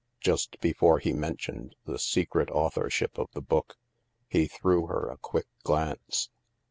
Just before he mentioned the secret authorship of the book, he threw her a quick glance.